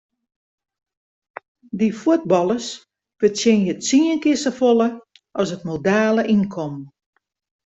Dy fuotballers fertsjinje tsien kear safolle as it modale ynkommen.